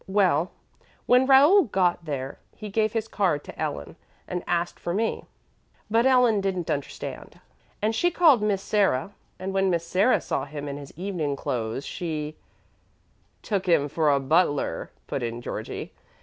Well, when Raoul got there he gave his card to Ellen and asked for me; but Ellen didn't understand, and she called Miss Sarah, and when Miss Sarah saw him in his evening clothes she " "Took him for a butler," put in Georgie.